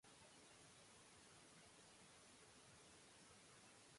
இடத்தில் தொடங்குவ தாகும்